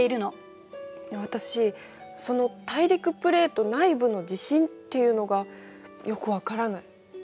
私その大陸プレート内部の地震っていうのがよく分からない。